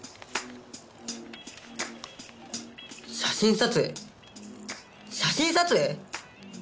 写真撮影写真撮影！？